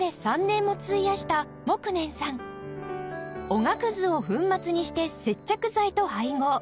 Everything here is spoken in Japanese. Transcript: おがくずを粉末にして接着剤と配合